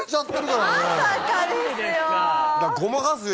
ごまかすよ